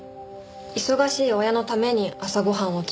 忙しい親のために朝ご飯を作る。